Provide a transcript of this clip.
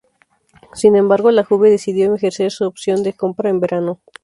Sin embargo, la Juve decidió ejercer su opción de compra en verano.